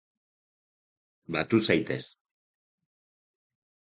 Batu zaitez.